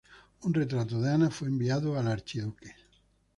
Un retrato de Ana fue enviado al archiduque.